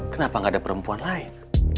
kenapa gak ada perempuan lain